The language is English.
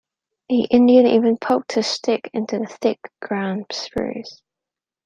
The Indian even poked his stick into the thick ground spruce.